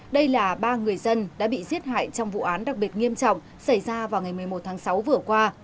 đây là ba người dân đã bị giết hại trong vụ án đặc biệt nghiêm trọng xảy ra vào ngày một mươi một tháng sáu vừa qua